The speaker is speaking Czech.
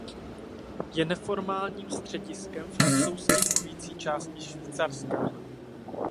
Je neformálním střediskem francouzsky mluvící části Švýcarska.